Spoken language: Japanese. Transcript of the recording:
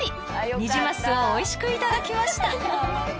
ニジマスをおいしくいただきました